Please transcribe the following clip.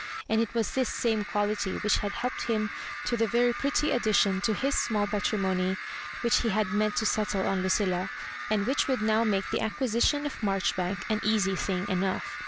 And it was this same quality which had helped him to the very pretty addition to his small patri mony which he had meant to settle on Lucilla, and which would now make the acquisition of Marchbank an easy thing enough.